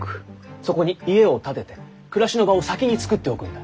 そこに家を建てて暮らしの場を先につくっておくんだ。